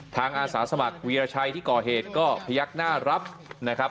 อาสาสมัครวีรชัยที่ก่อเหตุก็พยักหน้ารับนะครับ